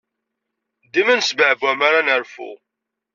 Dima nesbeɛbuɛ mi ara nerfu.